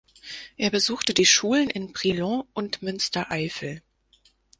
Er besuchte die Schulen in Brilon und Münstereifel.